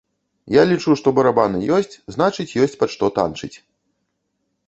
Я лічу, што барабаны ёсць, значыць, ёсць пад што танчыць.